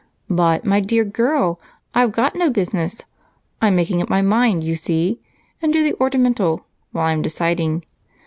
"But, my dear girl, I've got no business. I'm making up my mind, you see, and do the ornamental while I'm deciding.